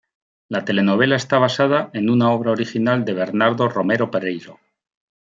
La telenovela está basada en una obra original de Bernardo Romero Pereiro.